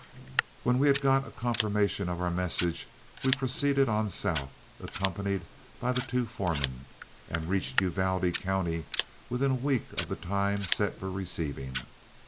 When we had got a confirmation of our message, we proceeded on south, accompanied by the two foremen, and reached Uvalde County within a week of the time set for receiving.